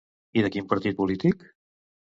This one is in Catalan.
I de quin partit polític?